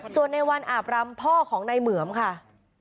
ส่วนในวันอาบรำพ่อของนายเหมือมค่ะ